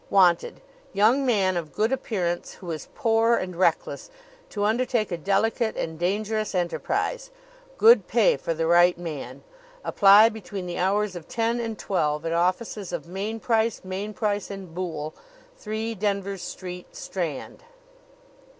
WANTED: Young Man of good appearance, who is poor and reckless, to undertake a delicate and dangerous enterprise. Good pay for the right man. Apply between the hours of ten and twelve at offices of Mainprice, Mainprice & Boole, 3, Denvers Street, Strand.